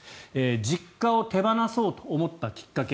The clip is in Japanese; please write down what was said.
実家を手放そうと思ったきっかけ